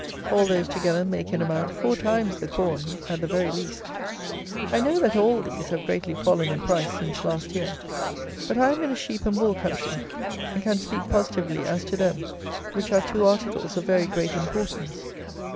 All those together make, in amount, four times the corn, at the very least. I know that all these have greatly fallen in price since last year; but I am in a sheep and wool country, and can speak positively as to them, which are two articles of very great importance.